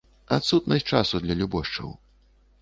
Адсутнасць часу для любошчаў.